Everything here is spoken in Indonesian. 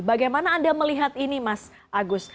bagaimana anda melihat ini mas agus